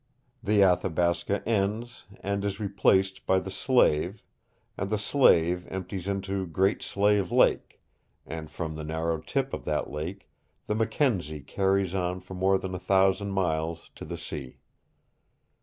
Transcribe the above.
The Athabasca ends and is replaced by the Slave, and the Slave empties into Great Slave Lake, and from the narrow tip of that Lake the Mackenzie carries on for more than a thousand miles to the sea.